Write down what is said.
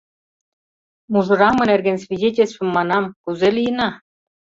Мужыраҥме нерген свидетельствым манам, кузе лийына?